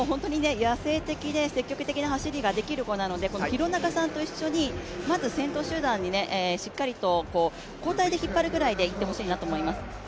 野性的で積極的な走りができる子なので廣中さんと一緒に先頭集団を交代で引っ張るくらいでいってほしいと思います。